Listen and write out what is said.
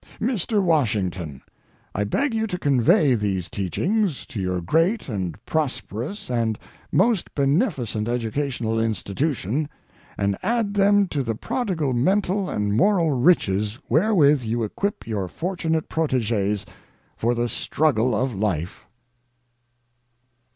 Mr. Washington, I beg you to convey these teachings to your great and prosperous and most beneficent educational institution, and add them to the prodigal mental and moral riches wherewith you equip your fortunate proteges for the struggle of life.